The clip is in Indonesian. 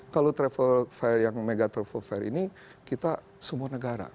kalau travel fair yang mega travel fair ini kita semua negara